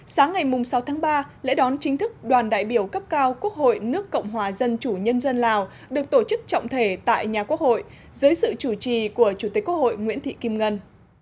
sáng ngày sáu tháng ba lễ đón chính thức đoàn đại biểu cấp cao quốc hội nước cộng hòa dân chủ nhân dân lào được tổ chức trọng thể tại nhà quốc hội dưới sự chủ trì của chủ tịch quốc hội nguyễn thị kim ngân